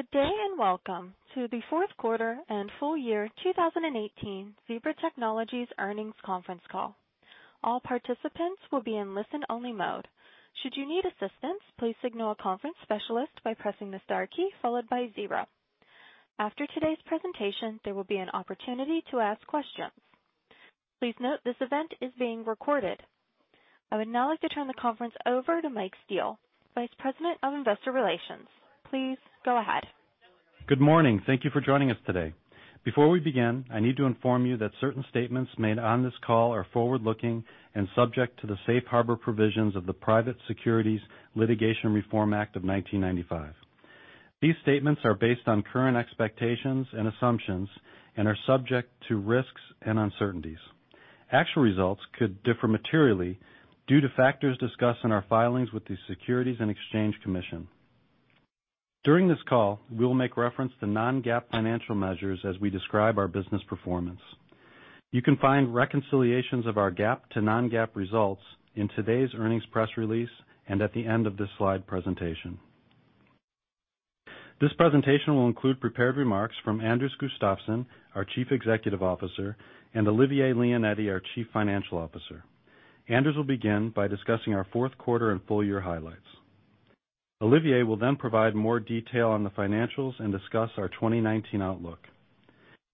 Good day, welcome to the fourth quarter and full year 2018 Zebra Technologies earnings conference call. All participants will be in listen-only mode. Should you need assistance, please signal a conference specialist by pressing the star key followed by zero. After today's presentation, there will be an opportunity to ask questions. Please note this event is being recorded. I would now like to turn the conference over to Michael Steele, Vice President of Investor Relations. Please go ahead. Good morning. Thank you for joining us today. Before we begin, I need to inform you that certain statements made on this call are forward-looking and subject to the safe harbor provisions of the Private Securities Litigation Reform Act of 1995. These statements are based on current expectations and assumptions and are subject to risks and uncertainties. Actual results could differ materially due to factors discussed in our filings with the Securities and Exchange Commission. During this call, we will make reference to non-GAAP financial measures as we describe our business performance. You can find reconciliations of our GAAP to non-GAAP results in today's earnings press release and at the end of this slide presentation. This presentation will include prepared remarks from Anders Gustafsson, our Chief Executive Officer, and Olivier Leonetti, our Chief Financial Officer. Anders will begin by discussing our fourth quarter and full year highlights. Olivier will provide more detail on the financials and discuss our 2019 outlook.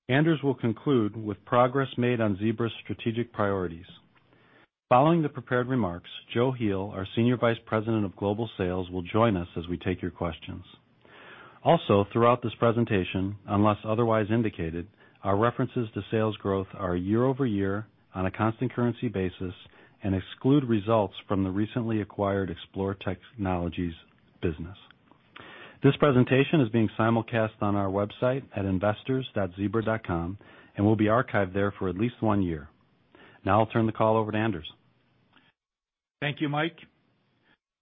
Anders will conclude with progress made on Zebra's strategic priorities. Following the prepared remarks, Joachim Heel, our Senior Vice President of Global Sales, will join us as we take your questions. Throughout this presentation, unless otherwise indicated, our references to sales growth are year-over-year on a constant currency basis and exclude results from the recently acquired Xplore Technologies business. This presentation is being simulcast on our website at investors.zebra.com and will be archived there for at least one year. I'll turn the call over to Anders. Thank you, Mike.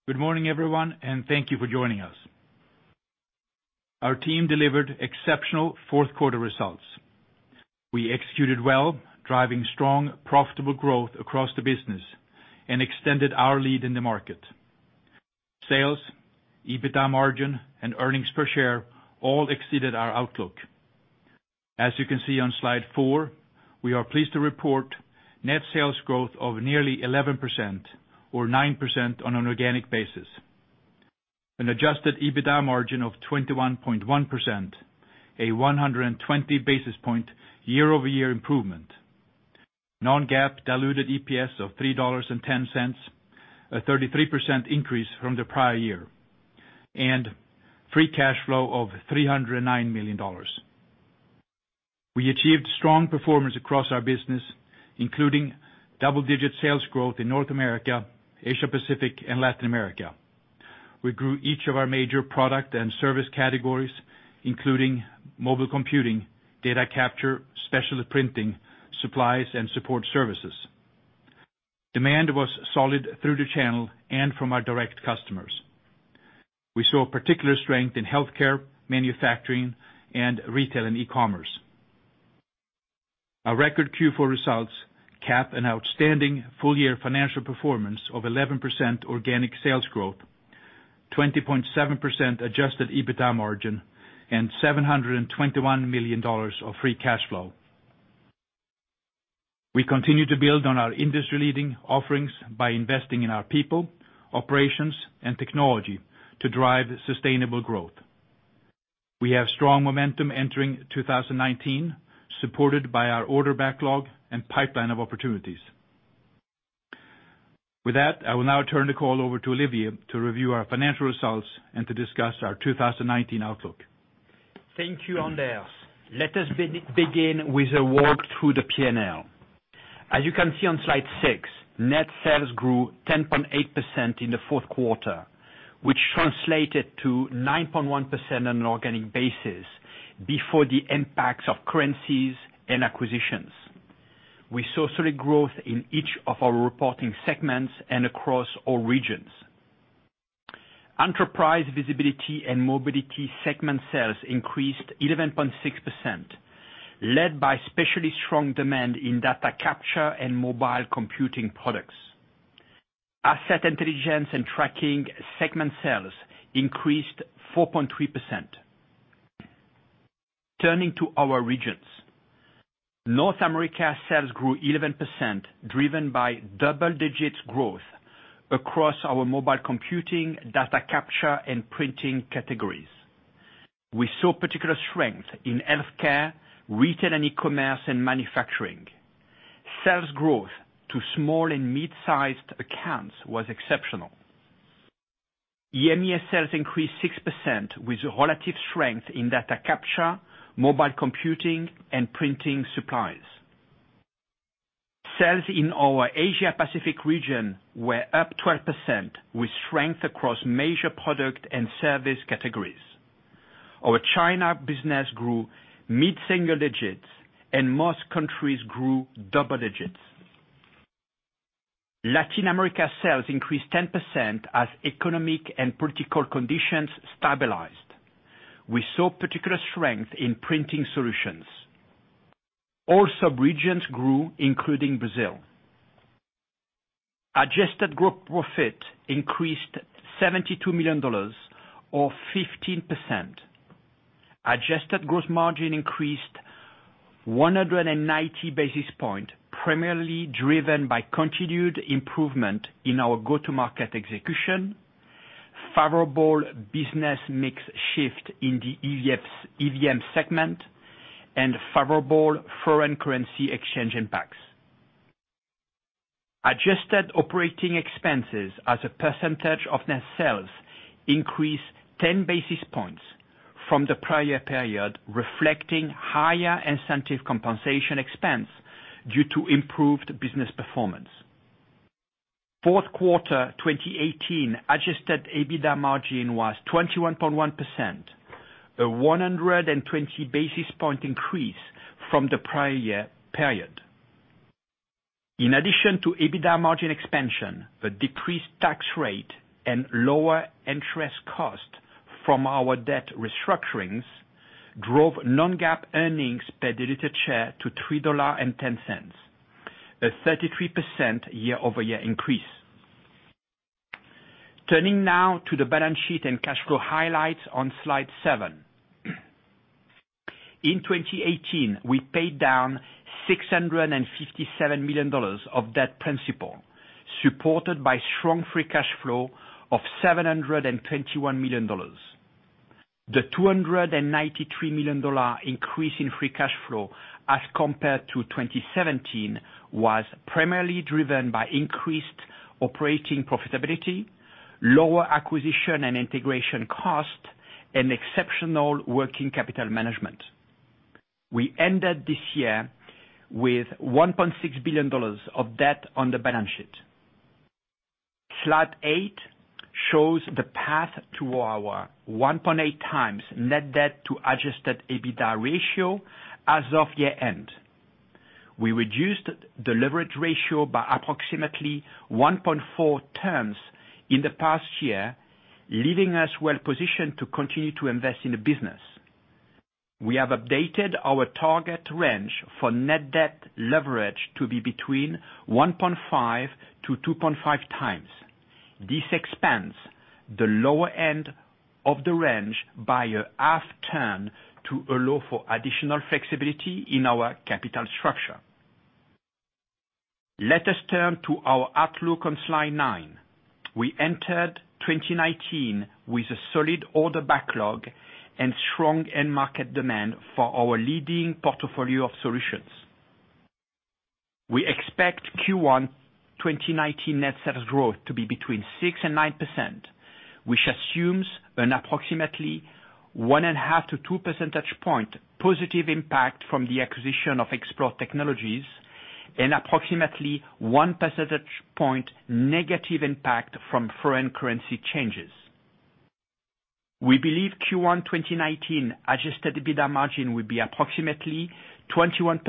Good morning, everyone, and thank you for joining us. Our team delivered exceptional fourth quarter results. We executed well, driving strong, profitable growth across the business and extended our lead in the market. Sales, EBITDA margin, and earnings per share all exceeded our outlook. As you can see on slide four, we are pleased to report net sales growth of nearly 11% or 9% on an organic basis, an adjusted EBITDA margin of 21.1%, a 120 basis point year-over-year improvement, non-GAAP diluted EPS of $3.10, a 33% increase from the prior year, and free cash flow of $309 million. We achieved strong performance across our business, including double-digit sales growth in North America, Asia Pacific, and Latin America. We grew each of our major product and service categories, including mobile computing, data capture, special printing, supplies, and support services. Demand was solid through the channel and from our direct customers. We saw particular strength in healthcare, manufacturing, and retail and e-commerce. Our record Q4 results cap an outstanding full year financial performance of 11% organic sales growth, 20.7% adjusted EBITDA margin, and $721 million of free cash flow. We continue to build on our industry leading offerings by investing in our people, operations, and technology to drive sustainable growth. We have strong momentum entering 2019, supported by our order backlog and pipeline of opportunities. With that, I will now turn the call over to Olivier to review our financial results and to discuss our 2019 outlook. Thank you, Anders. Let us begin with a walk through the P&L. As you can see on slide seven, net sales grew 10.8% in the fourth quarter, which translated to 9.1% on an organic basis before the impacts of currencies and acquisitions. We saw solid growth in each of our reporting segments and across all regions. Enterprise Visibility and Mobility segment sales increased 11.6%, led by especially strong demand in data capture and mobile computing products. Asset Intelligence and Tracking segment sales increased 4.3%. Turning to our regions. North America sales grew 11%, driven by double digits growth across our mobile computing, data capture, and printing categories. We saw particular strength in healthcare, retail and e-commerce, and manufacturing. Sales growth to small and mid-sized accounts was exceptional. EMEA sales increased 6% with relative strength in data capture, mobile computing, and printing supplies. Sales in our Asia Pacific region were up 12%, with strength across major product and service categories. Our China business grew mid-single digits and most countries grew double digits. Latin America sales increased 10% as economic and political conditions stabilized. We saw particular strength in printing solutions. All subregions grew, including Brazil. Adjusted gross profit increased $72 million or 15%. Adjusted gross margin increased 190 basis points, primarily driven by continued improvement in our go-to-market execution, favorable business mix shift in the EVM segment, and favorable foreign currency exchange impacts. Adjusted operating expenses as a percentage of net sales increased 10 basis points from the prior period, reflecting higher incentive compensation expense due to improved business performance. Fourth quarter 2018 adjusted EBITDA margin was 21.1%, a 120 basis points increase from the prior year period. In addition to EBITDA margin expansion, a decreased tax rate and lower interest cost from our debt restructurings drove non-GAAP earnings per diluted share to $3.10, a 33% year-over-year increase. Turning now to the balance sheet and cash flow highlights on slide seven. In 2018, we paid down $657 million of debt principal, supported by strong free cash flow of $721 million. The $293 million increase in free cash flow as compared to 2017 was primarily driven by increased operating profitability, lower acquisition and integration costs, and exceptional working capital management. We ended this year with $1.6 billion of debt on the balance sheet. Slide eight shows the path to our 1.8x net debt to adjusted EBITDA ratio as of year-end. We reduced the leverage ratio by approximately 1.4x in the past year, leaving us well positioned to continue to invest in the business. We have updated our target range for net debt leverage to be between 1.5x-2.5x. This expands the lower end of the range by a half turn to allow for additional flexibility in our capital structure. Let us turn to our outlook on slide nine. We entered 2019 with a solid order backlog and strong end market demand for our leading portfolio of solutions. We expect Q1 2019 net sales growth to be between 6% and 9%, which assumes an approximately 1.5-2 percentage point positive impact from the acquisition of Xplore Technologies and approximately 1 percentage point negative impact from foreign currency changes. We believe Q1 2019 adjusted EBITDA margin will be approximately 21%,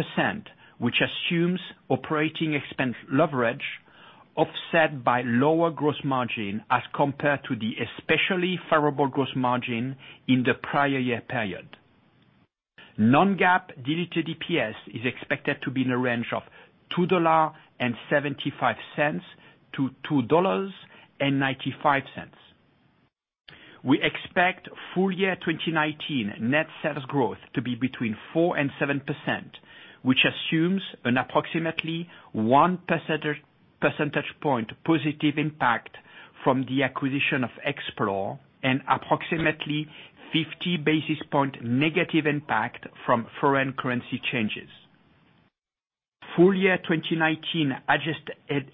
which assumes operating expense leverage offset by lower gross margin as compared to the especially favorable gross margin in the prior year period. Non-GAAP diluted EPS is expected to be in a range of $2.75-$2.95. We expect full year 2019 net sales growth to be between 4% and 7%, which assumes an approximately 1 percentage point positive impact from the acquisition of Xplore and approximately 50 basis point negative impact from foreign currency changes. Full year 2019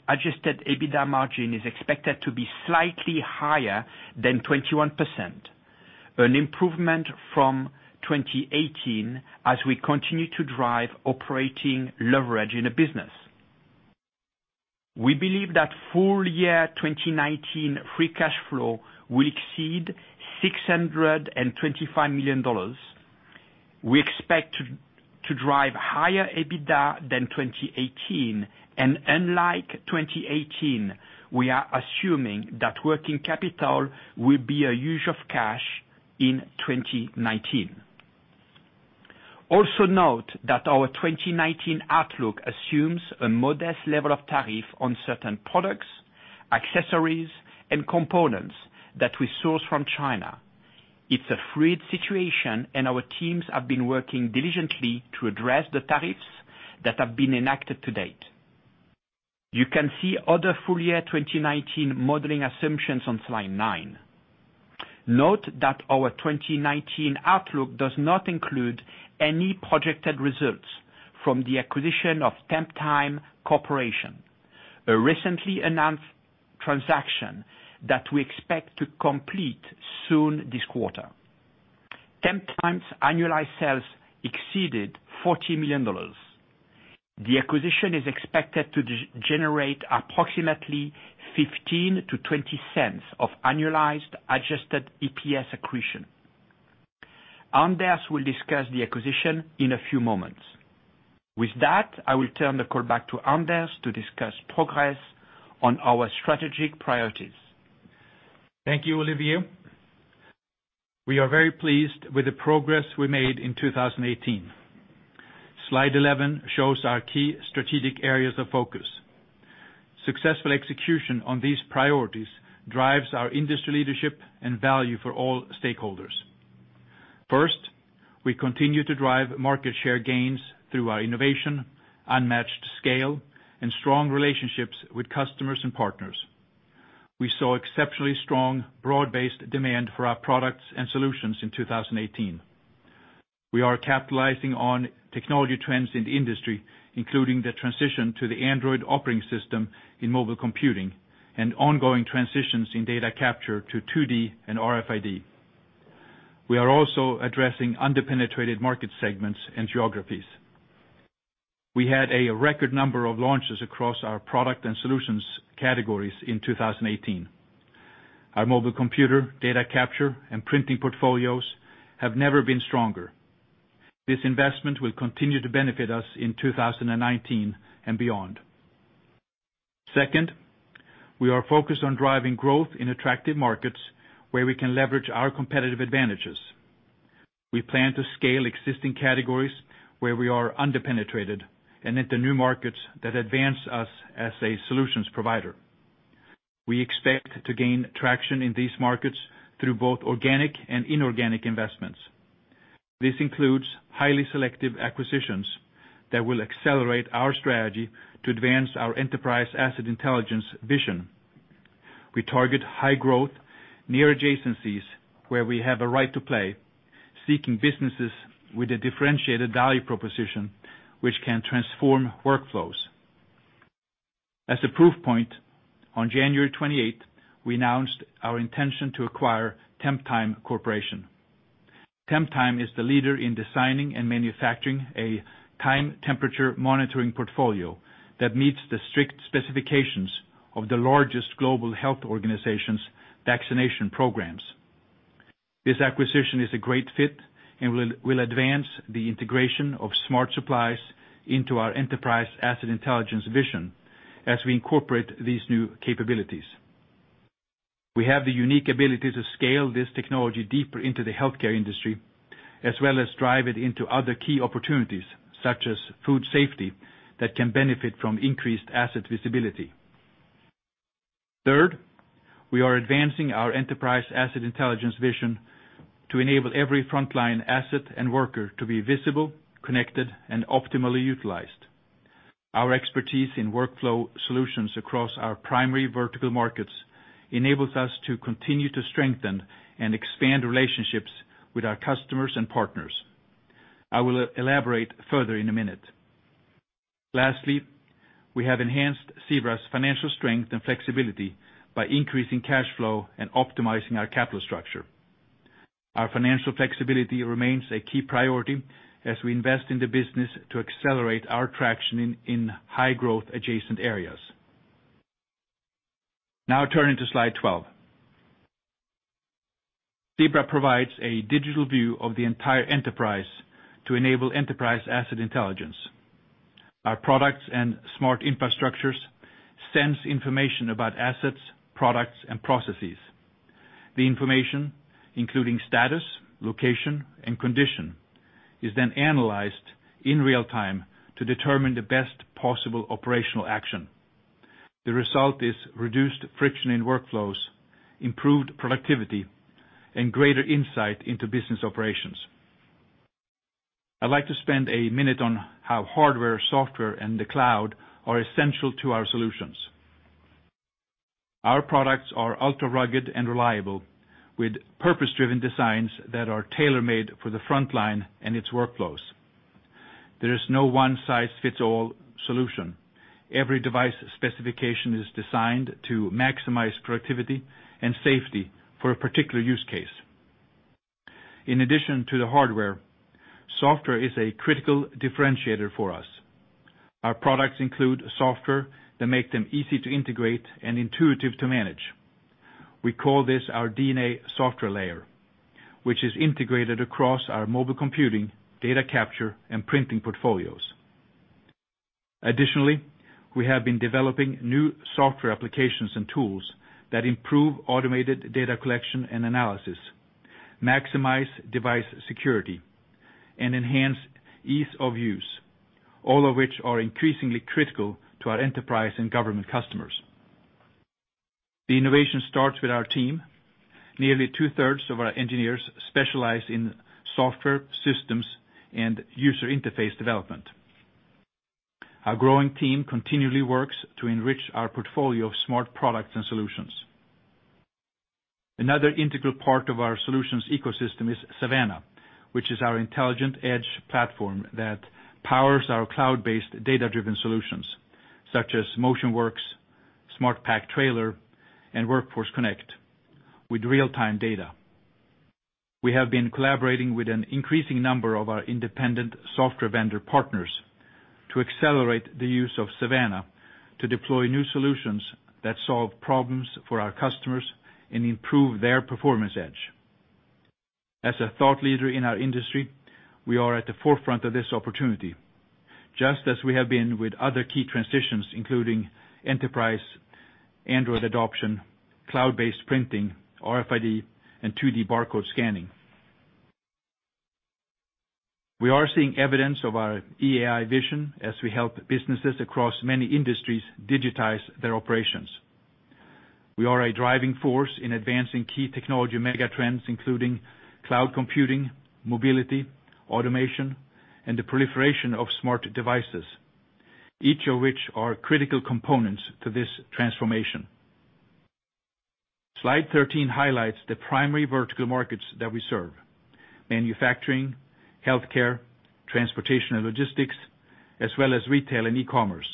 adjusted EBITDA margin is expected to be slightly higher than 21%, an improvement from 2018 as we continue to drive operating leverage in the business. We believe that full year 2019 free cash flow will exceed $625 million. We expect to drive higher EBITDA than 2018, and unlike 2018, we are assuming that working capital will be a use of cash in 2019. Also note that our 2019 outlook assumes a modest level of tariff on certain products, accessories, and components that we source from China. It's a fluid situation. Our teams have been working diligently to address the tariffs that have been enacted to date. You can see other full year 2019 modeling assumptions on slide nine. Note that our 2019 outlook does not include any projected results from the acquisition of Temptime Corporation, a recently announced transaction that we expect to complete soon this quarter. Temptime's annualized sales exceeded $40 million. The acquisition is expected to generate approximately $0.15-$0.20 of annualized adjusted EPS accretion. Anders will discuss the acquisition in a few moments. With that, I will turn the call back to Anders to discuss progress on our strategic priorities. Thank you, Olivier. We are very pleased with the progress we made in 2018. Slide 11 shows our key strategic areas of focus. Successful execution on these priorities drives our industry leadership and value for all stakeholders. First, we continue to drive market share gains through our innovation, unmatched scale, and strong relationships with customers and partners. We saw exceptionally strong, broad-based demand for our products and solutions in 2018. We are capitalizing on technology trends in the industry, including the transition to the Android operating system in mobile computing and ongoing transitions in data capture to 2D and RFID. We are also addressing under-penetrated market segments and geographies. We had a record number of launches across our product and solutions categories in 2018. Our mobile computer, data capture, and printing portfolios have never been stronger. This investment will continue to benefit us in 2019 and beyond. Second, we are focused on driving growth in attractive markets where we can leverage our competitive advantages. We plan to scale existing categories where we are under-penetrated and into new markets that advance us as a solutions provider. We expect to gain traction in these markets through both organic and inorganic investments. This includes highly selective acquisitions that will accelerate our strategy to advance our enterprise asset intelligence vision. We target high growth near adjacencies where we have a right to play, seeking businesses with a differentiated value proposition, which can transform workflows. As a proof point, on January 28th, we announced our intention to acquire Temptime Corporation. Temptime is the leader in designing and manufacturing a time temperature monitoring portfolio that meets the strict specifications of the largest global health organizations' vaccination programs. This acquisition is a great fit and will advance the integration of smart supplies into our enterprise asset intelligence vision as we incorporate these new capabilities. We have the unique ability to scale this technology deeper into the healthcare industry, as well as drive it into other key opportunities, such as food safety, that can benefit from increased asset visibility. Third, we are advancing our enterprise asset intelligence vision to enable every frontline asset and worker to be visible, connected, and optimally utilized. Our expertise in workflow solutions across our primary vertical markets enables us to continue to strengthen and expand relationships with our customers and partners. I will elaborate further in a minute. Lastly, we have enhanced Zebra's financial strength and flexibility by increasing cash flow and optimizing our capital structure. Our financial flexibility remains a key priority as we invest in the business to accelerate our traction in high growth adjacent areas. Now turning to slide 12. Zebra provides a digital view of the entire enterprise to enable enterprise asset intelligence. Our products and smart infrastructures sense information about assets, products, and processes. The information, including status, location, and condition, is then analyzed in real time to determine the best possible operational action. The result is reduced friction in workflows, improved productivity, and greater insight into business operations. I'd like to spend a minute on how hardware, software, and the cloud are essential to our solutions. Our products are ultra-rugged and reliable, with purpose-driven designs that are tailor-made for the frontline and its workflows. There is no one-size-fits-all solution. Every device specification is designed to maximize productivity and safety for a particular use case. In addition to the hardware, software is a critical differentiator for us. Our products include software that make them easy to integrate and intuitive to manage. We call this our DNA software layer, which is integrated across our mobile computing, data capture, and printing portfolios. Additionally, we have been developing new software applications and tools that improve automated data collection and analysis, maximize device security, and enhance ease of use, all of which are increasingly critical to our enterprise and government customers. The innovation starts with our team. Nearly two-thirds of our engineers specialize in software systems and user interface development. Our growing team continually works to enrich our portfolio of smart products and solutions. Another integral part of our solutions ecosystem is Savanna, which is our intelligent edge platform that powers our cloud-based, data-driven solutions, such as MotionWorks, SmartPack Trailer, and Workforce Connect with real-time data. We have been collaborating with an increasing number of our independent software vendor partners to accelerate the use of Savanna to deploy new solutions that solve problems for our customers and improve their performance edge. As a thought leader in our industry, we are at the forefront of this opportunity. Just as we have been with other key transitions, including enterprise Android adoption, cloud-based printing, RFID, and 2D barcode scanning. We are seeing evidence of our EAI vision as we help businesses across many industries digitize their operations. We are a driving force in advancing key technology mega trends, including cloud computing, mobility, automation, and the proliferation of smart devices, each of which are critical components to this transformation. Slide 13 highlights the primary vertical markets that we serve, manufacturing, healthcare, Transportation and Logistics, as well as retail and e-commerce,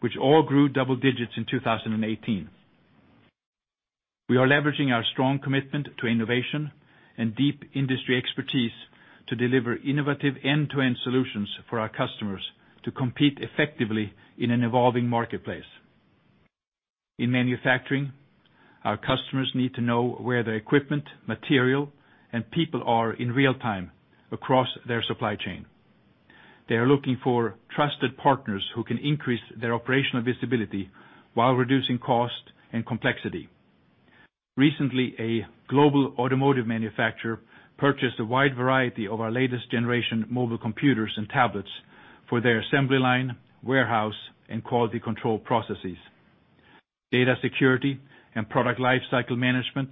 which all grew double digits in 2018. We are leveraging our strong commitment to innovation and deep industry expertise to deliver innovative end-to-end solutions for our customers to compete effectively in an evolving marketplace. In manufacturing, our customers need to know where their equipment, material, and people are in real time across their supply chain. They are looking for trusted partners who can increase their operational visibility while reducing cost and complexity. Recently, a global automotive manufacturer purchased a wide variety of our latest generation mobile computers and tablets for their assembly line, warehouse, and quality control processes. Data security and product lifecycle management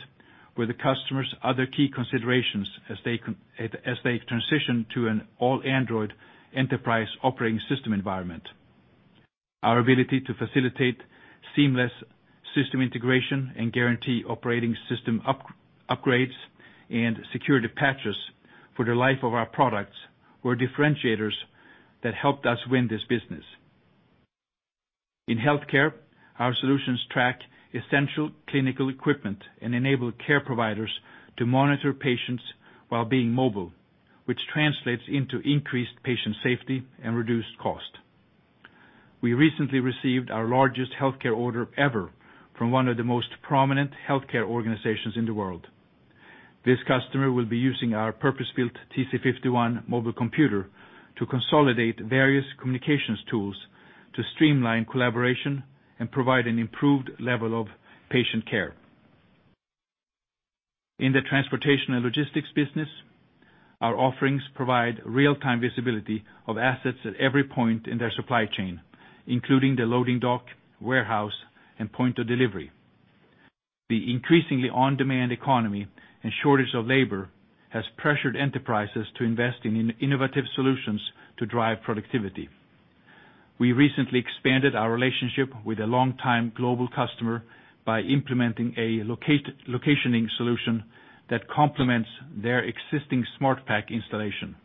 were the customers' other key considerations as they transition to an all Android enterprise operating system environment. Our ability to facilitate seamless system integration and guarantee operating system upgrades and security patches for the life of our products were differentiators that helped us win this business. In healthcare, our solutions track essential clinical equipment and enable care providers to monitor patients while being mobile, which translates into increased patient safety and reduced cost. We recently received our largest healthcare order ever from one of the most prominent healthcare organizations in the world. This customer will be using our purpose-built TC51 mobile computer to consolidate various communications tools to streamline collaboration and provide an improved level of patient care. In the Transportation and Logistics business, our offerings provide real-time visibility of assets at every point in their supply chain, including the loading dock, warehouse, and point of delivery. The increasingly on-demand economy and shortage of labor has pressured enterprises to invest in innovative solutions to drive productivity. We recently expanded our relationship with a longtime global customer by implementing a locationing solution that complements their existing SmartPack installation.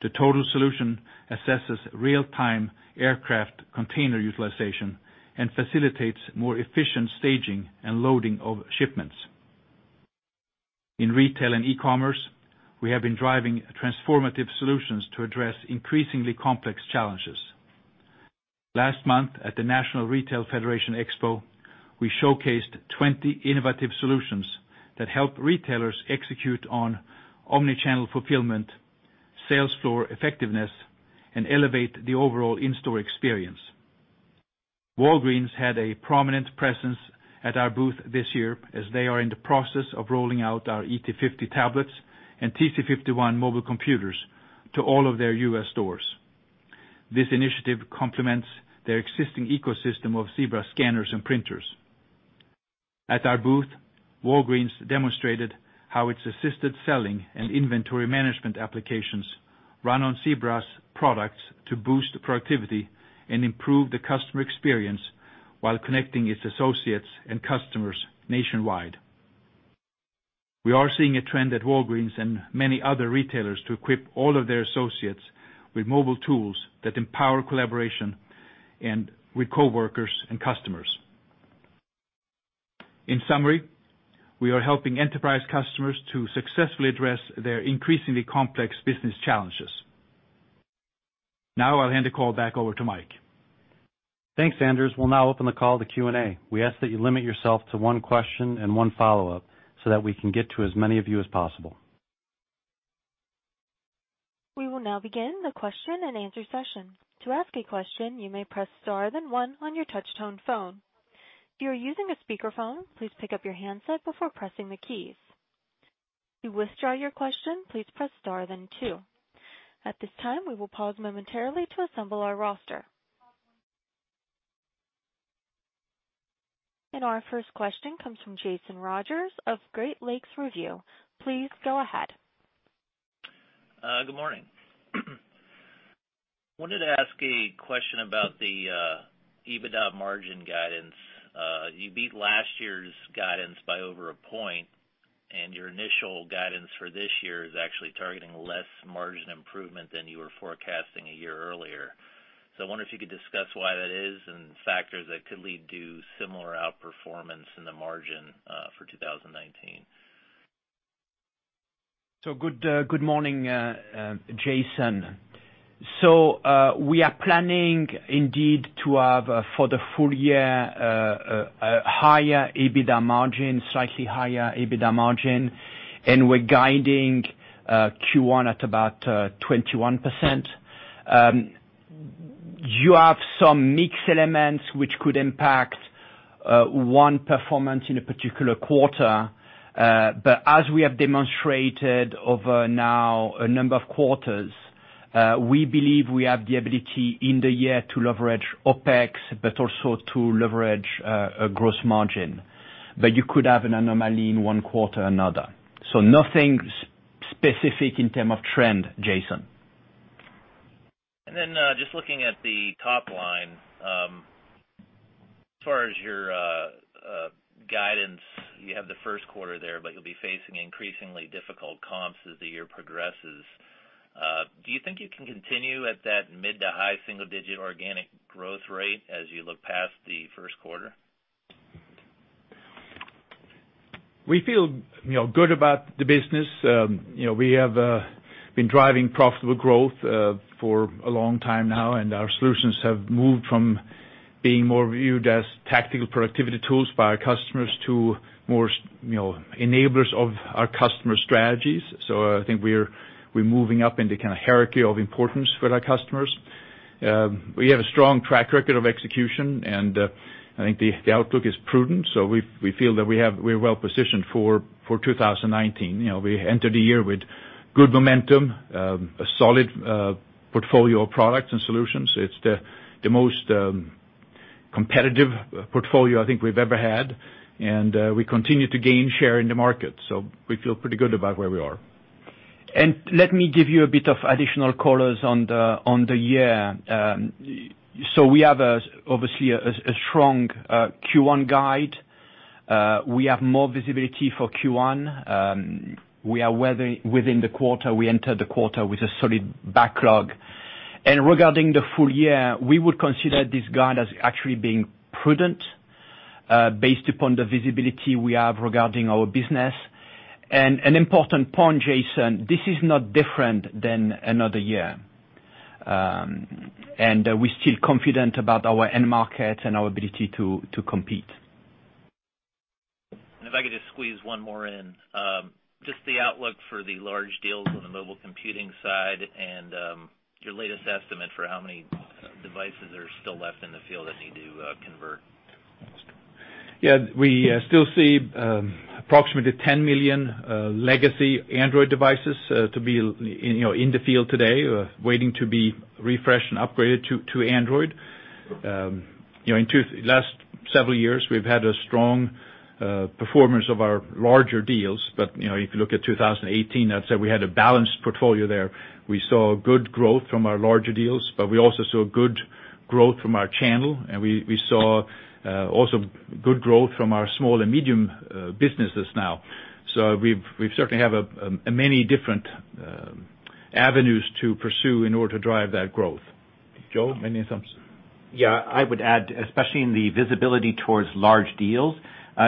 The total solution assesses real-time aircraft container utilization and facilitates more efficient staging and loading of shipments. In retail and e-commerce, we have been driving transformative solutions to address increasingly complex challenges. Last month at the National Retail Federation Expo, we showcased 20 innovative solutions that help retailers execute on omni-channel fulfillment, sales floor effectiveness, and elevate the overall in-store experience. Walgreens had a prominent presence at our booth this year as they are in the process of rolling out our ET50 tablets and TC51 mobile computers to all of their U.S. stores. This initiative complements their existing ecosystem of Zebra scanners and printers. At our booth, Walgreens demonstrated how its assisted selling and inventory management applications run on Zebra's products to boost productivity and improve the customer experience while connecting its associates and customers nationwide. We are seeing a trend at Walgreens and many other retailers to equip all of their associates with mobile tools that empower collaboration with coworkers and customers. In summary, we are helping enterprise customers to successfully address their increasingly complex business challenges. I'll hand the call back over to Mike. Thanks, Anders. We'll now open the call to Q&A. We ask that you limit yourself to one question and one follow-up so that we can get to as many of you as possible. We will now begin the question-and-answer session. To ask a question, you may press star then one on your touch tone phone. If you are using a speakerphone, please pick up your handset before pressing the keys. To withdraw your question, please press star then two. At this time, we will pause momentarily to assemble our roster. Our first question comes from Jason Rogers of Great Lakes Review. Please go ahead. Good morning. Wanted to ask a question about the EBITDA margin guidance. You beat last year's guidance by over a point, and your initial guidance for this year is actually targeting less margin improvement than you were forecasting a year earlier. I wonder if you could discuss why that is and factors that could lead to similar outperformance in the margin, for 2019. Good morning, Jason. We are planning indeed to have for the full year a higher EBITDA margin, slightly higher EBITDA margin, and we're guiding Q1 at about 21%. You have some mixed elements which could impact one performance in a particular quarter. As we have demonstrated over now a number of quarters, we believe we have the ability in the year to leverage OpEx, but also to leverage gross margin. You could have an anomaly in one quarter or another. Nothing specific in term of trend, Jason. Just looking at the top line. As far as your guidance, you have the first quarter there, but you'll be facing increasingly difficult comps as the year progresses. Do you think you can continue at that mid to high single-digit organic growth rate as you look past the first quarter? We feel good about the business. We have been driving profitable growth for a long time now, and our solutions have moved from being more viewed as tactical productivity tools by our customers to more enablers of our customer strategies. I think we're moving up in the kind of hierarchy of importance for our customers. We have a strong track record of execution, and I think the outlook is prudent. We feel that we're well-positioned for 2019. We entered the year with good momentum, a solid portfolio of products and solutions. It's the most competitive portfolio I think we've ever had. We continue to gain share in the market, so we feel pretty good about where we are. Let me give you a bit of additional colors on the year. We have obviously a strong Q1 guide. We have more visibility for Q1. Within the quarter, we entered the quarter with a solid backlog. Regarding the full year, we would consider this guide as actually being prudent based upon the visibility we have regarding our business. An important point, Jason, this is not different than another year. We're still confident about our end market and our ability to compete. If I could just squeeze one more in. Just the outlook for the large deals on the mobile computing side and your latest estimate for how many devices are still left in the field that need to convert. Yeah. We still see approximately 10 million legacy Android devices to be in the field today, waiting to be refreshed and upgraded to Android. In last several years, we've had a strong performance of our larger deals. If you look at 2018, I'd say we had a balanced portfolio there. We saw good growth from our larger deals, but we also saw good growth from our channel, and we saw also good growth from our small and medium businesses now. We certainly have many different avenues to pursue in order to drive that growth. Joe, any thoughts? Yeah, I would add, especially in the visibility towards large deals,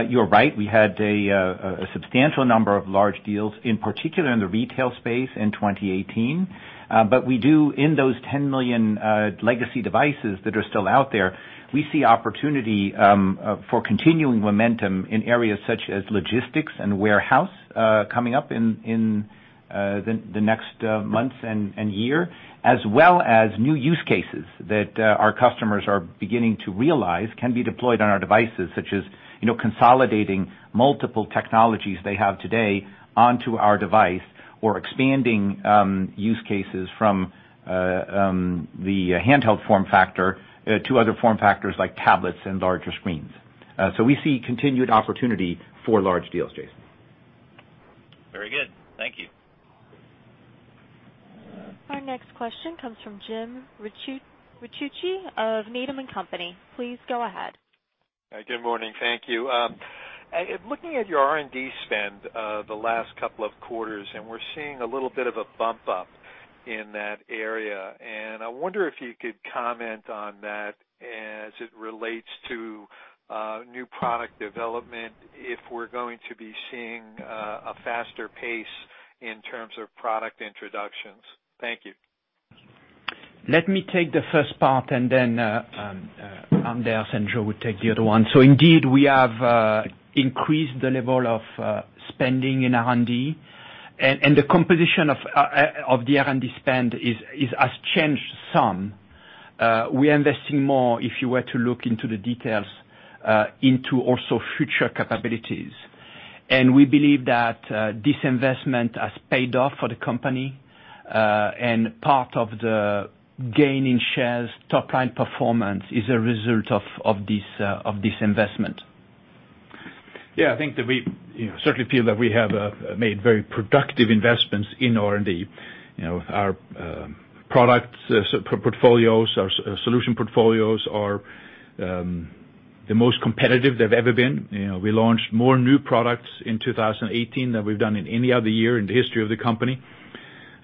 you're right, we had a substantial number of large deals, in particular in the retail space in 2018. We do, in those 10 million legacy devices that are still out there, we see opportunity for continuing momentum in areas such as logistics and warehouse coming up in the next months and year, as well as new use cases that our customers are beginning to realize can be deployed on our devices, such as consolidating multiple technologies they have today onto our device or expanding use cases from the handheld form factor to other form factors like tablets and larger screens. We see continued opportunity for large deals, Jason. Very good. Thank you. Our next question comes from James Ricchiuti of Needham & Company. Please go ahead. Good morning. Thank you. Looking at your R&D spend the last couple of quarters, we're seeing a little bit of a bump up in that area. I wonder if you could comment on that as it relates to new product development, if we're going to be seeing a faster pace in terms of product introductions. Thank you. Let me take the first part, and then Anders and Joe will take the other one. Indeed, we have increased the level of spending in R&D. The composition of the R&D spend has changed some. We are investing more, if you were to look into the details, into also future capabilities. We believe that this investment has paid off for the company, and part of the gain in shares, top-line performance is a result of this investment. Yeah, I think that we certainly feel that we have made very productive investments in R&D. Our product portfolios, our solution portfolios are the most competitive they've ever been. We launched more new products in 2018 than we've done in any other year in the history of the company.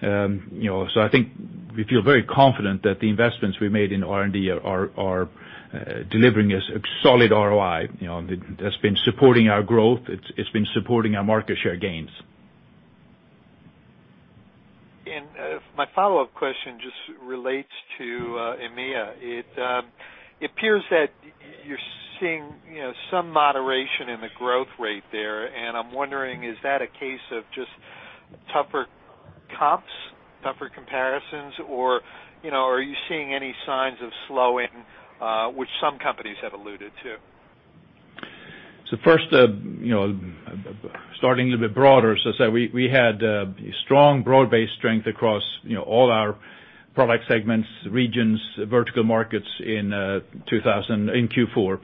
I think we feel very confident that the investments we made in R&D are delivering a solid ROI that's been supporting our growth. It's been supporting our market share gains. My follow-up question just relates to EMEA. Seeing some moderation in the growth rate there, and I'm wondering, is that a case of just tougher comps, tougher comparisons, or are you seeing any signs of slowing, which some companies have alluded to? First, starting a bit broader. As I said, we had strong broad-based strength across all our product segments, regions, vertical markets in Q4.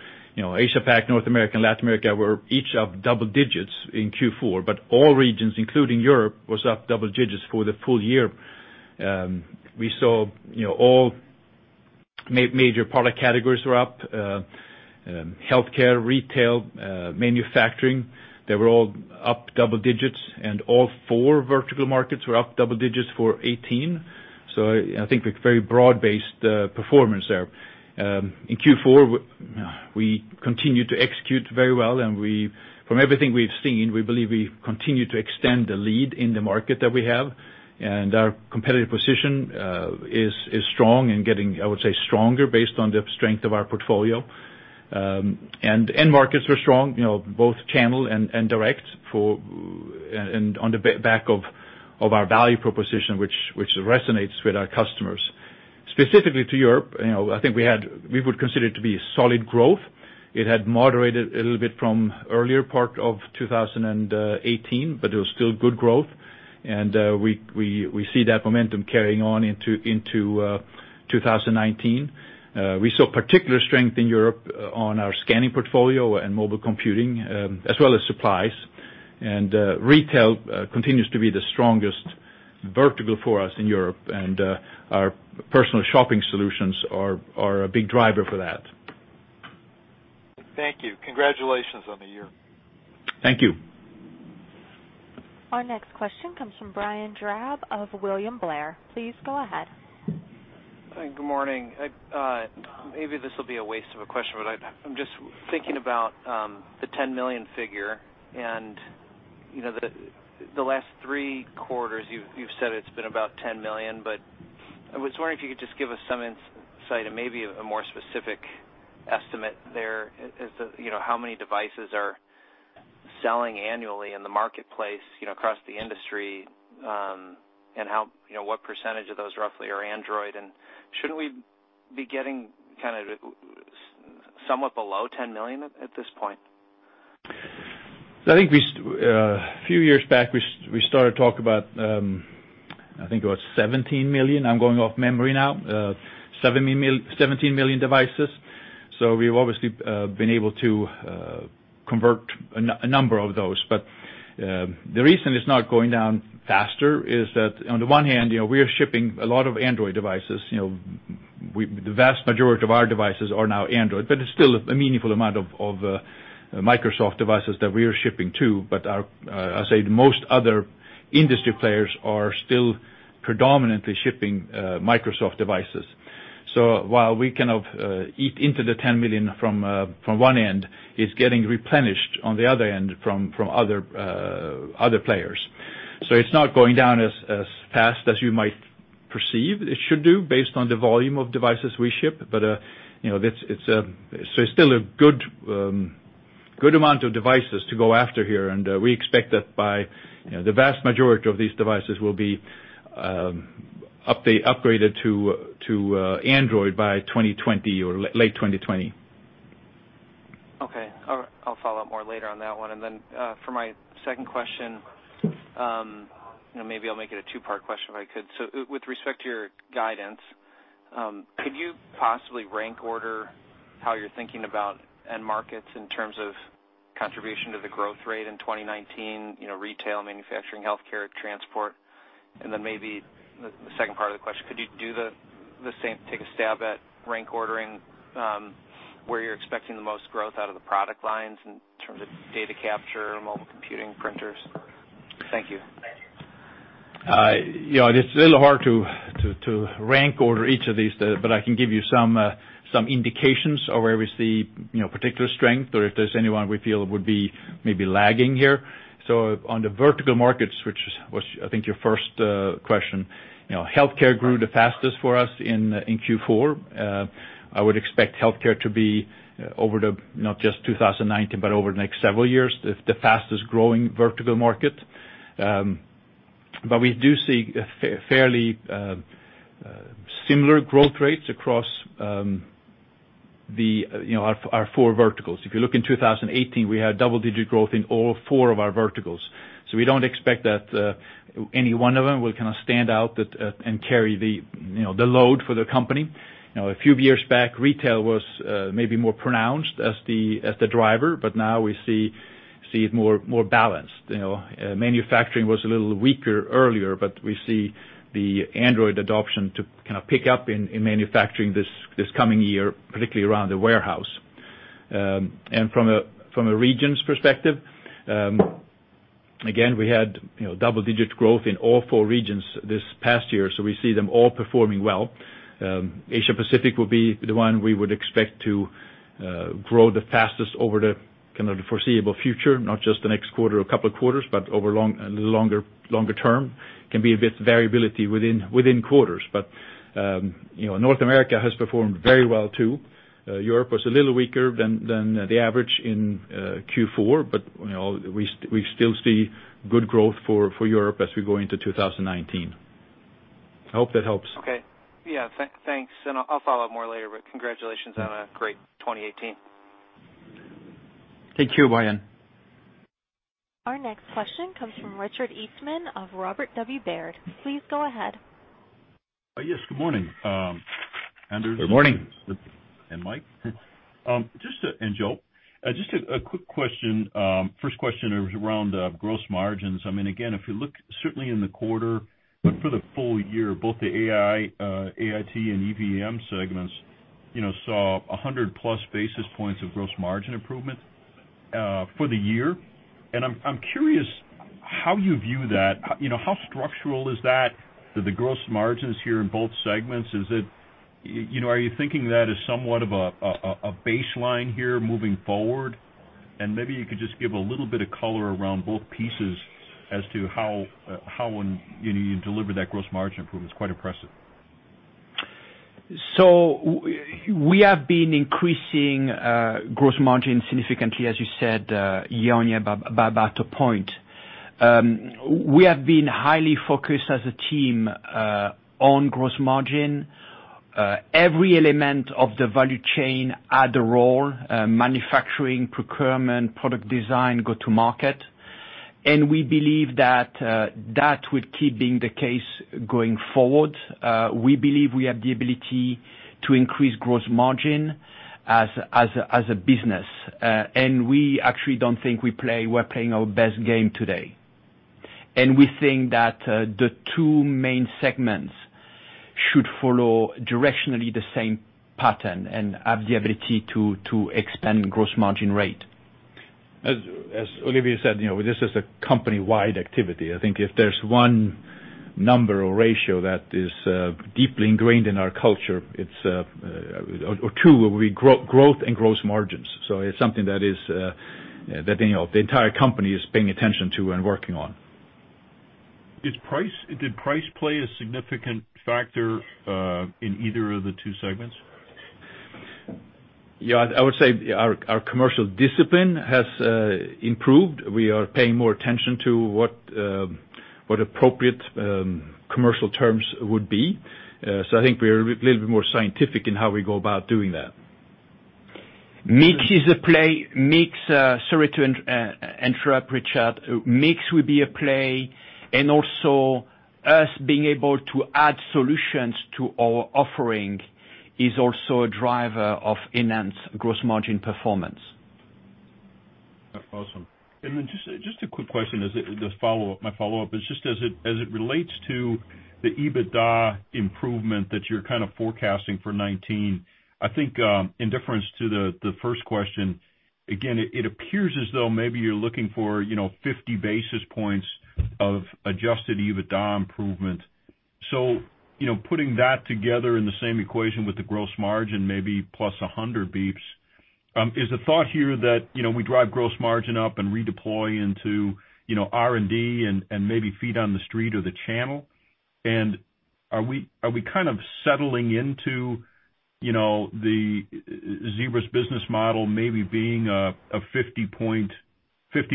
Asia Pac, North America, and Latin America were each up double digits in Q4, but all regions, including Europe, was up double digits for the full year. We saw all major product categories were up. Healthcare, retail, manufacturing, they were all up double digits, and all four vertical markets were up double digits for 2018. I think a very broad-based performance there. In Q4, we continued to execute very well, and from everything we've seen, we believe we've continued to extend the lead in the market that we have. Our competitive position is strong and getting, I would say, stronger based on the strength of our portfolio. End markets were strong, both channel and direct, and on the back of our value proposition, which resonates with our customers. Specifically to Europe, I think we had, we would consider it to be a solid growth. It had moderated a little bit from the earlier part of 2018, but it was still good growth. We see that momentum carrying on into 2019. We saw particular strength in Europe on our scanning portfolio and mobile computing, as well as supplies. Retail continues to be the strongest vertical for us in Europe, and our personal shopping solutions are a big driver for that. Thank you. Congratulations on the year. Thank you. Our next question comes from Brian Drab of William Blair. Please go ahead. Good morning. Maybe this will be a waste of a question, but I'm just thinking about the 10 million figure, and the last three quarters, you've said it's been about 10 million, but I was wondering if you could just give us some insight and maybe a more specific estimate there as to how many devices are selling annually in the marketplace across the industry, and what percentage of those roughly are Android, and shouldn't we be getting kind of somewhat below 10 million at this point? I think a few years back, we started talking about, it was 17 million. I'm going off memory now. 17 million devices. We've obviously been able to convert a number of those. The reason it's not going down faster is that on the one hand, we are shipping a lot of Android devices. The vast majority of our devices are now Android, it's still a meaningful amount of Microsoft devices that we are shipping, too. I say most other industry players are still predominantly shipping Microsoft devices. While we kind of eat into the 10 million from one end, it's getting replenished on the other end from other players. It's not going down as fast as you might perceive it should do based on the volume of devices we ship. It's still a good amount of devices to go after here, and we expect that the vast majority of these devices will be upgraded to Android by 2020 or late 2020. Okay. I'll follow up more later on that one. For my second question, maybe I'll make it a two-part question if I could. With respect to your guidance, could you possibly rank order how you're thinking about end markets in terms of contribution to the growth rate in 2019, retail, manufacturing, healthcare, transport? Maybe the second part of the question, could you do the same, take a stab at rank ordering where you're expecting the most growth out of the product lines in terms of data capture, mobile computing, printers? Thank you. It's a little hard to rank order each of these, I can give you some indications of where we see particular strength or if there's anyone we feel would be maybe lagging here. On the vertical markets, which was I think your first question, healthcare grew the fastest for us in Q4. I would expect healthcare to be over the, not just 2019, but over the next several years, the fastest growing vertical market. We do see fairly similar growth rates across our four verticals. If you look in 2018, we had double-digit growth in all four of our verticals. We don't expect that any one of them will kind of stand out and carry the load for the company. A few years back, retail was maybe more pronounced as the driver, now we see it more balanced. Manufacturing was a little weaker earlier, we see the Android adoption to kind of pick up in manufacturing this coming year, particularly around the warehouse. From a regions perspective, again, we had double-digit growth in all four regions this past year, so we see them all performing well. Asia Pacific will be the one we would expect to grow the fastest over the kind of the foreseeable future, not just the next quarter or couple of quarters, but over a longer term, can be a bit variability within quarters. North America has performed very well too. Europe was a little weaker than the average in Q4, but we still see good growth for Europe as we go into 2019. I hope that helps. Okay. Yeah, thanks. I'll follow up more later, congratulations on a great 2018. Thank you, Brian. Our next question comes from Richard Eastman of Robert W. Baird. Please go ahead. Yes, good morning. Good morning. Anders and Mike and Joe Heel. Just a quick question. First question is around gross margins. Again, if you look certainly in the quarter, but for the full year, both the AIT and EVM segments saw 100-plus basis points of gross margin improvement for the year. I'm curious how you view that. How structural is that to the gross margins here in both segments? Are you thinking that as somewhat of a baseline here moving forward? Maybe you could just give a little bit of color around both pieces as to how you deliver that gross margin improvement. It's quite impressive. We have been increasing gross margin significantly, as you said, year on year by about a point. We have been highly focused as a team on gross margin. Every element of the value chain had a role, manufacturing, procurement, product design, go to market, and we believe that that will keep being the case going forward. We believe we have the ability to increase gross margin as a business. We actually don't think we're playing our best game today. We think that the two main segments should follow directionally the same pattern and have the ability to expand gross margin rate. As Olivier said, this is a company-wide activity. I think if there's one number or ratio that is deeply ingrained in our culture, it's growth and gross margins. It's something that the entire company is paying attention to and working on. Did price play a significant factor in either of the two segments? Yeah, I would say our commercial discipline has improved. We are paying more attention to what appropriate commercial terms would be. I think we're a little bit more scientific in how we go about doing that. Mix is at play. Sorry to interrupt, Richard. Mix will be a play, and also us being able to add solutions to our offering is also a driver of enhanced gross margin performance. That's awesome. Just a quick question as my follow-up is just as it relates to the EBITDA improvement that you're kind of forecasting for 2019, I think, in difference to the first question, again, it appears as though maybe you're looking for 50 basis points of adjusted EBITDA improvement. Putting that together in the same equation with the gross margin, maybe +100 basis points, is the thought here that we drive gross margin up and redeploy into R&D and maybe feet on the street or the channel? Are we kind of settling into Zebra's business model maybe being a 50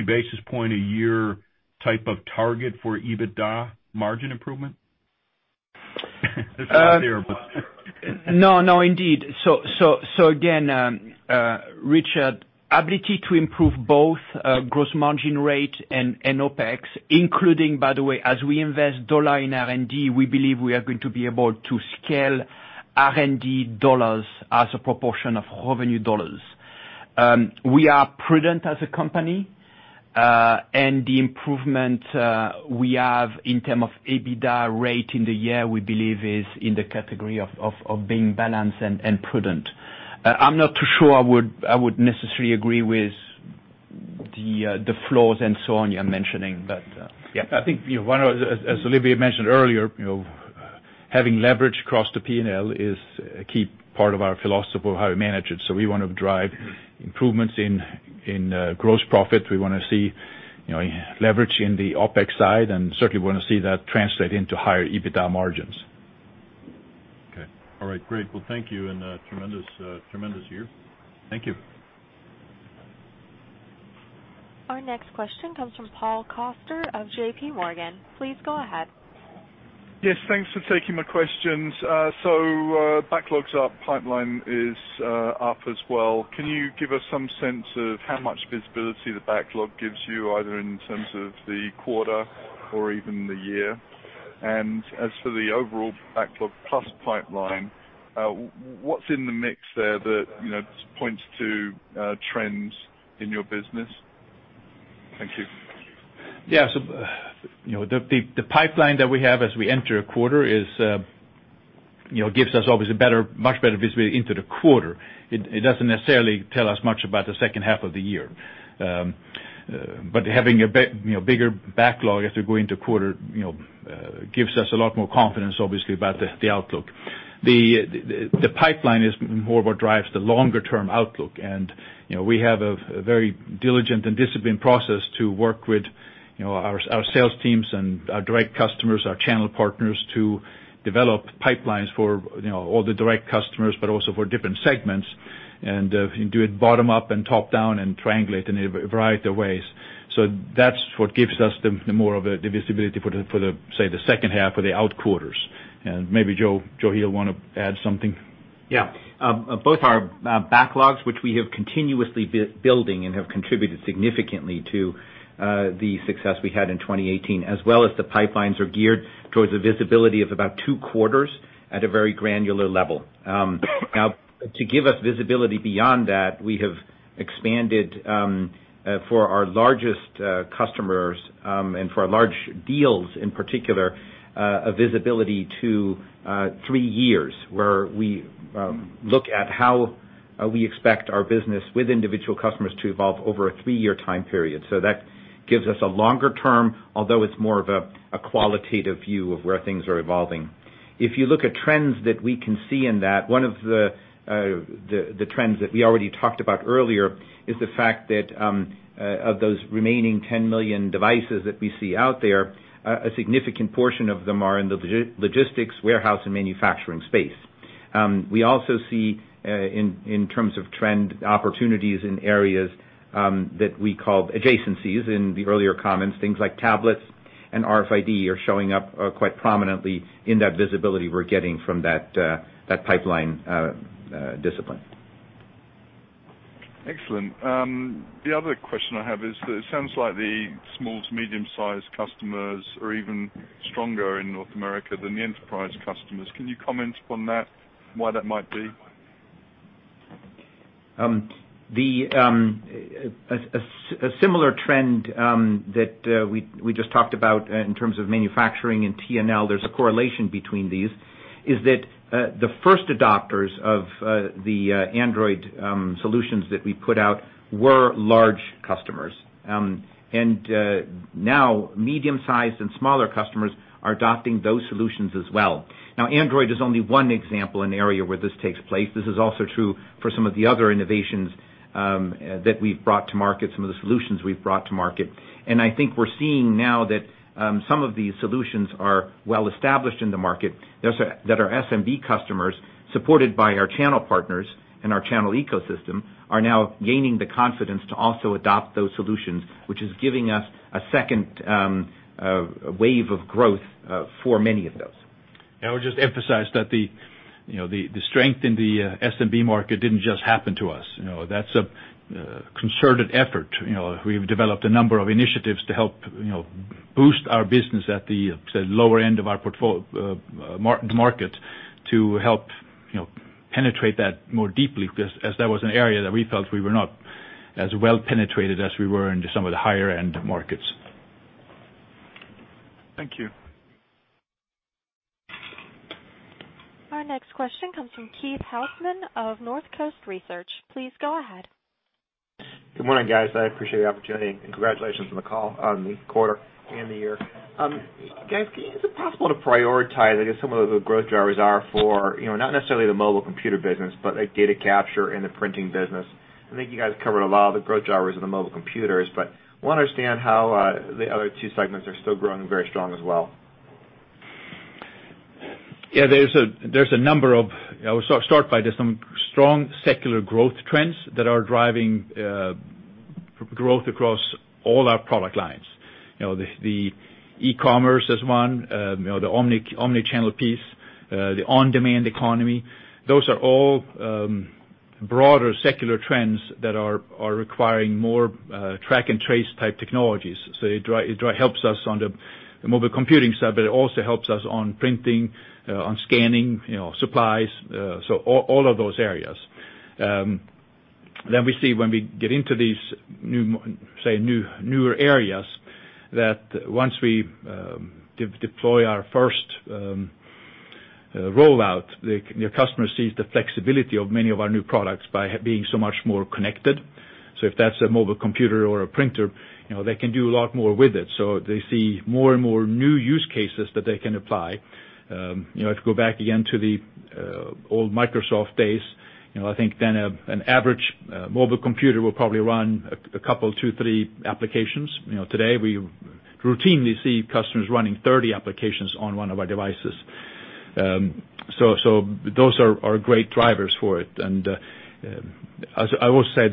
basis points a year type of target for EBITDA margin improvement? That's not fair. No, indeed. Again, Richard, ability to improve both gross margin rate and OpEx, including, by the way, as we invest dollar in R&D, we believe we are going to be able to scale R&D dollars as a proportion of revenue dollars. We are prudent as a company, and the improvement we have in terms of EBITDA rate in the year, we believe is in the category of being balanced and prudent. I'm not too sure I would necessarily agree with the floors and so on you're mentioning, but yeah. I think as Olivier mentioned earlier, having leverage across the P&L is a key part of our philosophy of how we manage it. We want to drive improvements in gross profit. We want to see leverage in the OpEx side, and certainly we want to see that translate into higher EBITDA margins. Okay. All right, great. Well, thank you, and tremendous year. Thank you. Our next question comes from Paul Coster of JPMorgan. Please go ahead. Yes, thanks for taking my questions. Backlogs are up, pipeline is up as well. Can you give us some sense of how much visibility the backlog gives you, either in terms of the quarter or even the year? As for the overall backlog plus pipeline, what's in the mix there that points to trends in your business? Thank you. Yeah. The pipeline that we have as we enter a quarter gives us always a much better visibility into the quarter. It doesn't necessarily tell us much about the second half of the year. Having a bigger backlog as we go into quarter gives us a lot more confidence, obviously, about the outlook. The pipeline is more what drives the longer-term outlook. We have a very diligent and disciplined process to work with our sales teams and our direct customers, our channel partners, to develop pipelines for all the direct customers, but also for different segments. Do it bottom up and top down, and triangulate in a variety of ways. That's what gives us the more of the visibility for the, say, the second half or the out quarters. Maybe Joe Heel will want to add something. Both our backlogs, which we have continuously been building and have contributed significantly to the success we had in 2018, as well as the pipelines, are geared towards a visibility of about two quarters at a very granular level. That gives us a longer term, although it's more of a qualitative view of where things are evolving. If you look at trends that we can see in that, one of the trends that we already talked about earlier is the fact that of those remaining 10 million devices that we see out there, a significant portion of them are in the logistics, warehouse, and manufacturing space. We also see, in terms of trend, opportunities in areas that we called adjacencies in the earlier comments. Things like tablets and RFID are showing up quite prominently in that visibility we're getting from that pipeline discipline. Excellent. The other question I have is it sounds like the small to medium-sized customers are even stronger in North America than the enterprise customers. Can you comment upon that, and why that might be? A similar trend that we just talked about in terms of manufacturing and T&L, there's a correlation between these, is that the first adopters of the Android solutions that we put out were large customers. Now medium-sized and smaller customers are adopting those solutions as well. Now Android is only one example in the area where this takes place. This is also true for some of the other innovations that we've brought to market, some of the solutions we've brought to market. I think we're seeing now that some of these solutions are well established in the market, that our SMB customers, supported by our channel partners and our channel ecosystem, are now gaining the confidence to also adopt those solutions, which is giving us a second wave of growth for many of those. I would just emphasize that the strength in the SMB market didn't just happen to us. That's a concerted effort. We've developed a number of initiatives to help boost our business at the lower end of our market to help penetrate that more deeply, because as that was an area that we felt we were not as well penetrated as we were into some of the higher-end markets. Thank you. Our next question comes from Keith Housum of Northcoast Research. Please go ahead. Good morning, guys. I appreciate the opportunity, and congratulations on the call, on the quarter, and the year. Guys, is it possible to prioritize, I guess, some of the growth drivers are for, not necessarily the mobile computer business, but like data capture and the printing business? I think you guys covered a lot of the growth drivers of the mobile computers, want to understand how the other two segments are still growing very strong as well. I would start by there are some strong secular growth trends that are driving growth across all our product lines. E-commerce is one, the omni-channel piece, the on-demand economy. Those are all broader secular trends that are requiring more track and trace type technologies. It helps us on the mobile computing side, but it also helps us on printing, on scanning, supplies, all of those areas. We see when we get into these, say, newer areas, that once we deploy our first rollout, the customer sees the flexibility of many of our new products by being so much more connected. If that's a mobile computer or a printer, they can do a lot more with it. They see more and more new use cases that they can apply. If you go back again to the old Microsoft days, I think then an average mobile computer will probably run a couple, two, three applications. Today, we routinely see customers running 30 applications on one of our devices. Those are great drivers for it. I will say,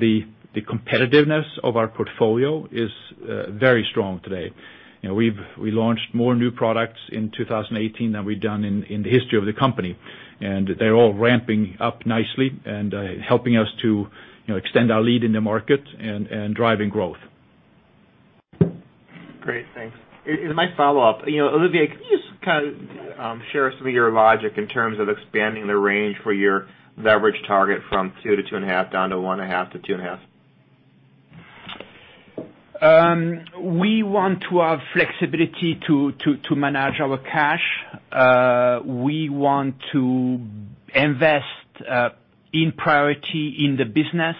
the competitiveness of our portfolio is very strong today. We launched more new products in 2018 than we've done in the history of the company. They're all ramping up nicely and helping us to extend our lead in the market and driving growth. Great. Thanks. In my follow-up, Olivier, can you just share some of your logic in terms of expanding the range for your leverage target from 2x-2.5x, down to 1.5x-2.5x? We want to have flexibility to manage our cash. We want to invest in priority in the business.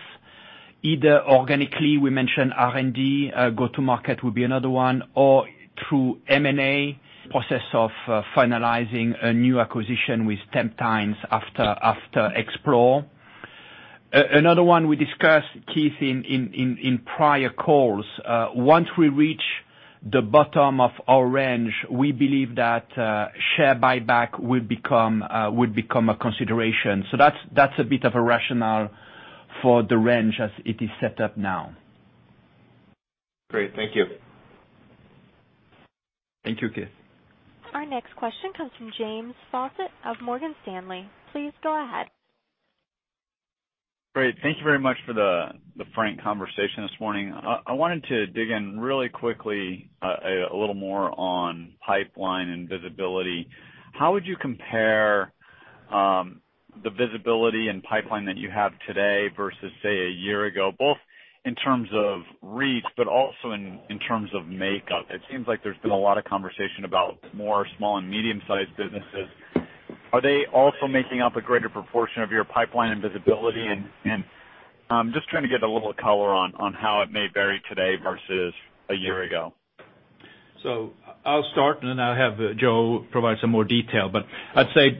Either organically, we mentioned R&D, go-to-market would be another one, or through M&A process of finalizing a new acquisition with Temptime after Xplore. Another one we discussed, Keith, in prior calls, once we reach the bottom of our range, we believe that share buyback would become a consideration. That's a bit of a rationale for the range as it is set up now. Great. Thank you. Thank you, Keith. Our next question comes from James Faucette of Morgan Stanley. Please go ahead. Great. Thank you very much for the frank conversation this morning. I wanted to dig in really quickly a little more on pipeline and visibility. How would you compare the visibility and pipeline that you have today versus, say, a year ago, both in terms of reach but also in terms of makeup? It seems like there's been a lot of conversation about more small and medium-sized businesses. Are they also making up a greater proportion of your pipeline and visibility? I'm just trying to get a little color on how it may vary today versus a year ago. I'll start, and then I'll have Joe provide some more detail. I'd say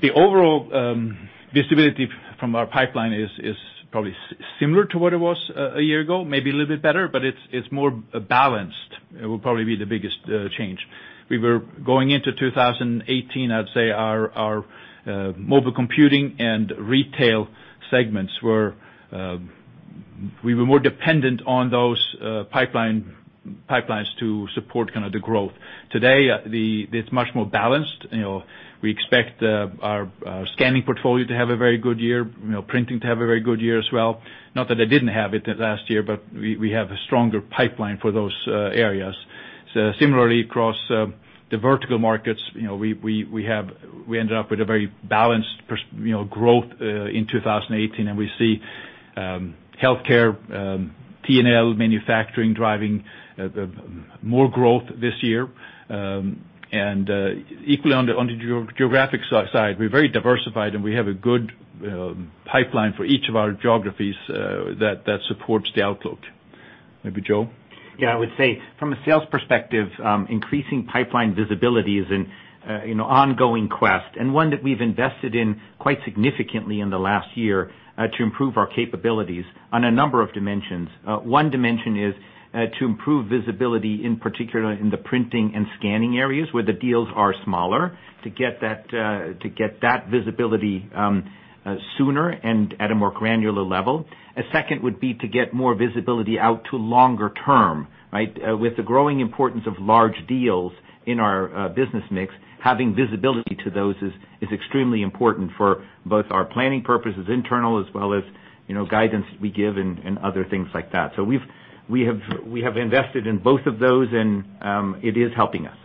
the overall visibility from our pipeline is probably similar to what it was a year ago, maybe a little bit better, but it's more balanced. It will probably be the biggest change. We were going into 2018, I'd say our mobile computing and retail segments were more dependent on those pipelines to support the growth. Today, it's much more balanced. We expect our scanning portfolio to have a very good year, printing to have a very good year as well. Not that they didn't have it last year, we have a stronger pipeline for those areas. Similarly, across the vertical markets, we ended up with a very balanced growth in 2018, and we see healthcare, T&L, manufacturing, driving more growth this year. Equally on the geographic side, we're very diversified, and we have a good pipeline for each of our geographies that supports the outlook. Maybe Joe? I would say from a sales perspective, increasing pipeline visibility is an ongoing quest and one that we've invested in quite significantly in the last year to improve our capabilities on a number of dimensions. One dimension is to improve visibility, in particular in the printing and scanning areas where the deals are smaller, to get that visibility sooner and at a more granular level. A second would be to get more visibility out to longer term, right? With the growing importance of large deals in our business mix, having visibility to those is extremely important for both our planning purposes internal as well as guidance we give and other things like that. We have invested in both of those, and it is helping us.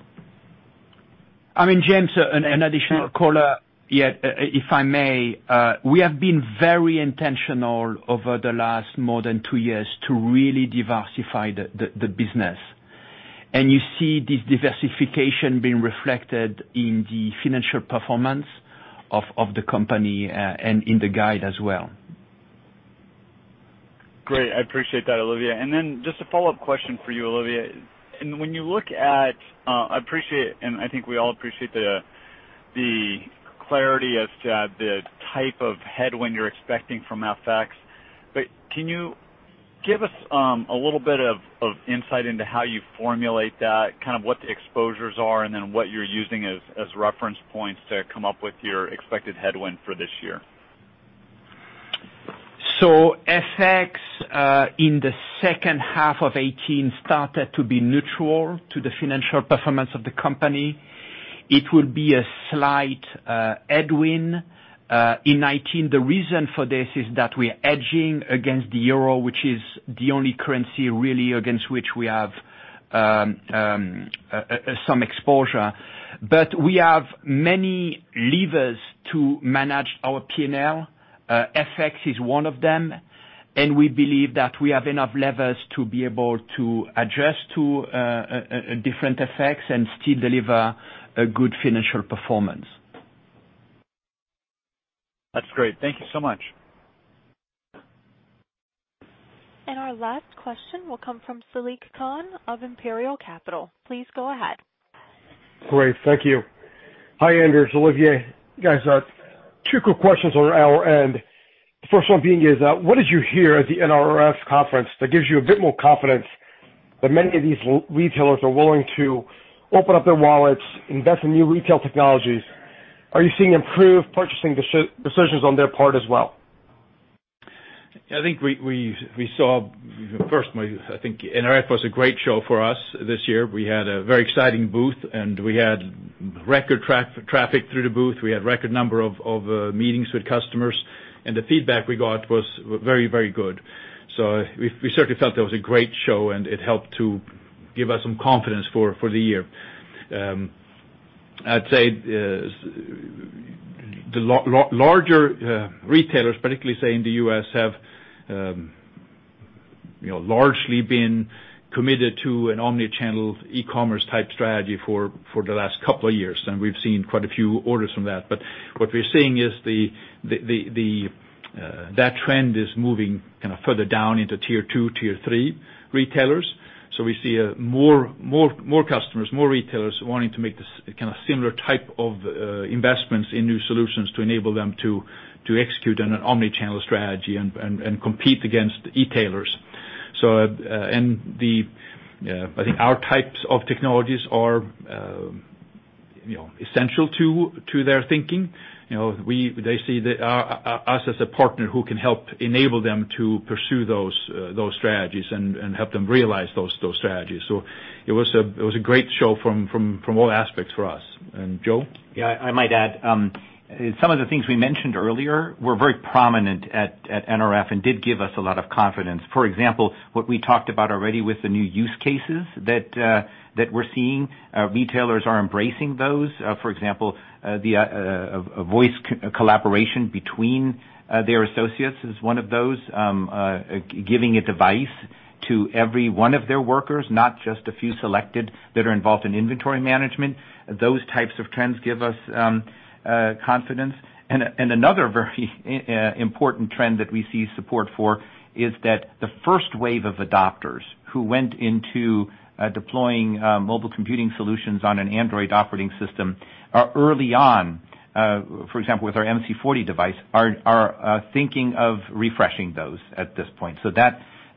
James, an additional caller yet, if I may. We have been very intentional over the last more than two years to really diversify the business. You see this diversification being reflected in the financial performance of the company and in the guide as well. Great. I appreciate that, Olivier. Just a follow-up question for you, Olivier. When you look at I appreciate, and I think we all appreciate the clarity as to the type of headwind you're expecting from FX. Can you give us a little bit of insight into how you formulate that, kind of what the exposures are, and what you're using as reference points to come up with your expected headwind for this year? FX, in the second half of 2018, started to be neutral to the financial performance of the company. It will be a slight headwind in 2019. The reason for this is that we are hedging against the euro, which is the only currency really against which we have some exposure. We have many levers to manage our P&L. FX is one of them, and we believe that we have enough levers to be able to address to different effects and still deliver a good financial performance. That's great. Thank you so much. Our last question will come from Saliq Khan of Imperial Capital. Please go ahead. Great. Thank you. Hi, Anders, Olivier. Guys, two quick questions on our end. The first one being is, what did you hear at the NRF conference that gives you a bit more confidence that many of these retailers are willing to open up their wallets, invest in new retail technologies? Are you seeing improved purchasing decisions on their part as well? I think we saw first, I think NRF was a great show for us this year. We had a very exciting booth, and we had record traffic through the booth. We had record number of meetings with customers, and the feedback we got was very, very good. We certainly felt that was a great show, and it helped to give us some confidence for the year. I'd say the larger retailers, particularly, say, in the U.S., have largely been committed to an omni-channel e-commerce type strategy for the last couple of years, and we've seen quite a few orders from that. What we're seeing is that trend is moving kind of further down into Tier 2, Tier 3 retailers. We see more customers, more retailers wanting to make this kind of similar type of investments in new solutions to enable them to execute on an omni-channel strategy and compete against e-tailers. I think our types of technologies are essential to their thinking. They see us as a partner who can help enable them to pursue those strategies and help them realize those strategies. It was a great show from all aspects for us. Joe? Yeah, I might add, some of the things we mentioned earlier were very prominent at NRF and did give us a lot of confidence. For example, what we talked about already with the new use cases that we're seeing, retailers are embracing those. For example, a voice collaboration between their associates is one of those. Giving a device to every one of their workers, not just a few selected that are involved in inventory management. Those types of trends give us confidence. Another very important trend that we see support for is that the first wave of adopters who went into deploying mobile computing solutions on an Android operating system early on, for example, with our MC40 device, are thinking of refreshing those at this point.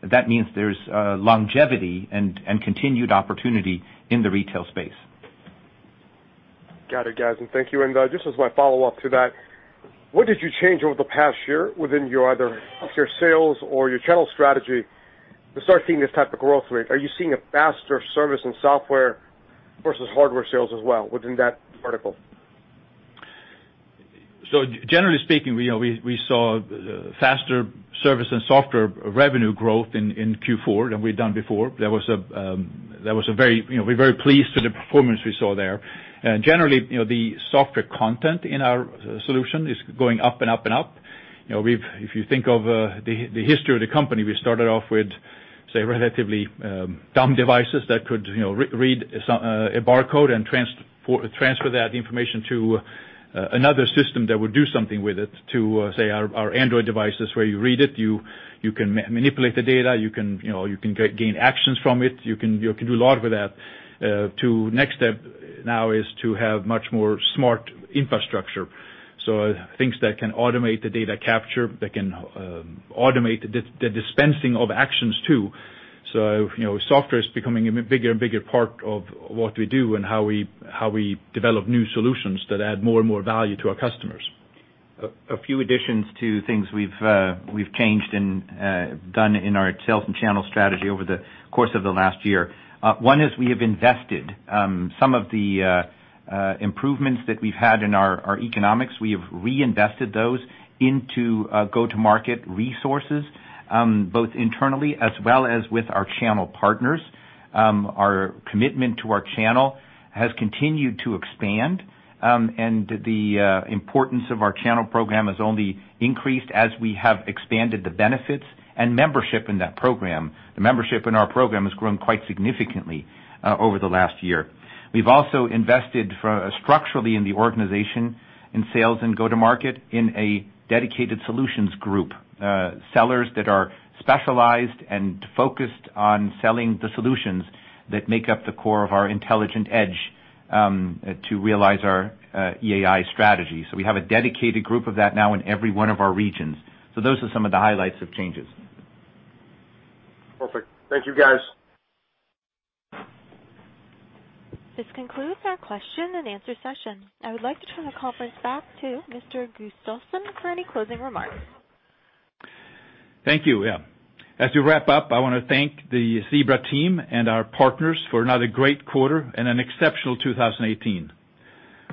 That means there's longevity and continued opportunity in the retail space. Got it, guys. Thank you. Just as my follow-up to that, what did you change over the past year within either your sales or your channel strategy to start seeing this type of growth rate? Are you seeing a faster service in software versus hardware sales as well within that vertical? Generally speaking, we saw faster service and software revenue growth in Q4 than we'd done before. We're very pleased to the performance we saw there. Generally, the software content in our solution is going up and up and up. If you think of the history of the company, we started off with, say, relatively dumb devices that could read a barcode and transfer that information to another system that would do something with it to, say, our Android devices where you read it, you can manipulate the data, you can gain actions from it. You can do a lot with that. The next step now is to have much more smart infrastructure. Things that can automate the data capture, that can automate the dispensing of actions, too. Software is becoming a bigger part of what we do and how we develop new solutions that add more and more value to our customers. A few additions to things we've changed and done in our sales and channel strategy over the course of the last year. One is we have invested some of the improvements that we've had in our economics. We have reinvested those into go-to-market resources, both internally as well as with our channel partners. Our commitment to our channel has continued to expand, and the importance of our channel program has only increased as we have expanded the benefits and membership in that program. The membership in our program has grown quite significantly over the last year. We've also invested structurally in the organization, in sales and go-to-market, in a dedicated solutions group. Sellers that are specialized and focused on selling the solutions that make up the core of our intelligent edge to realize our EAI strategy. We have a dedicated group of that now in every one of our regions. Those are some of the highlights of changes. Perfect. Thank you, guys. This concludes our question-and-answer session. I would like to turn the conference back to Mr. Gustafsson for any closing remarks. Thank you. As we wrap up, I want to thank the Zebra team and our partners for another great quarter and an exceptional 2018.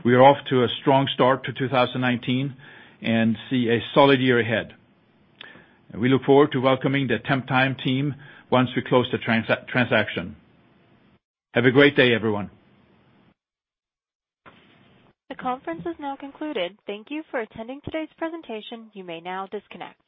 We are off to a strong start to 2019 and see a solid year ahead. We look forward to welcoming the Temptime team once we close the transaction. Have a great day, everyone. The conference is now concluded. Thank you for attending today's presentation. You may now disconnect.